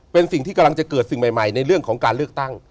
เป็นสิ่งที่กำลังจะเกิดสิ่งใหม่ในเรื่องของการเลือกตั้ง